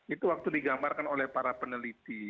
itu waktu digambarkan oleh para peneliti